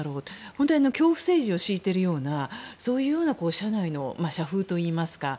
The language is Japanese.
本当に恐怖政治を敷いているようなそういうような社内の社風といいますか。